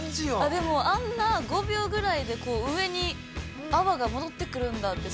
◆でもあんな５秒ぐらいで、上に泡が戻ってくるんだって。